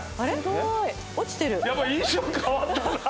やっぱ印象変わったな。